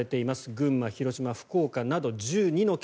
群馬、広島、福岡など１２の県。